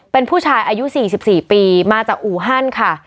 เป็นผู้ชายอายุ๔๔ปีมาจากอู่ฮันค่ะ